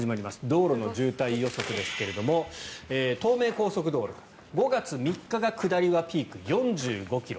道路の渋滞予測ですが東名高速道路５月３日が下りはピーク４５ｋｍ。